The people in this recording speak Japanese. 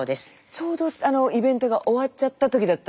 ちょうどイベントが終わっちゃった時だったんですよね。